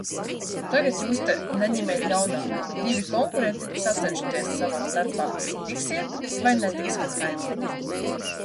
Tagad jūs te, neņemiet ļaunā, divi konkurenti sacenšaties savā starpā, tiksiet vai netiksiet Saeimā.